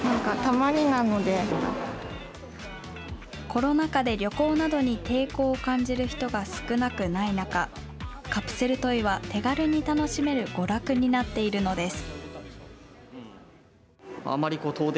コロナ禍で旅行などに抵抗を感じる人が少なくない中、カプセルトイは手軽に楽しめる娯楽になっているのです。